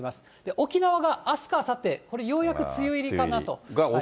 沖縄があすかあさって、これ、ようやく梅雨入りかなと。